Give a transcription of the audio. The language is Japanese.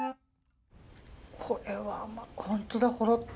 これは本当だほろっと。